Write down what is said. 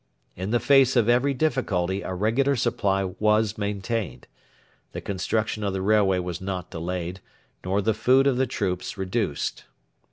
In the face of every difficulty a regular supply was maintained. The construction of the railway was not delayed, nor the food of the troops reduced.